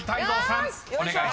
お願いします］